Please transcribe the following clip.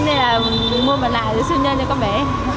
thì mình mua mặt nạ cho siêu nhân cho các bé